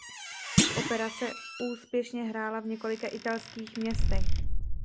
Opera se úspěšně hrála v několika italských městech.